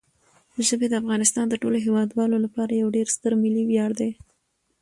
ژبې د افغانستان د ټولو هیوادوالو لپاره یو ډېر ستر ملي ویاړ دی.